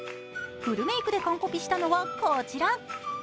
フルメイクで完コピしたのはこちら。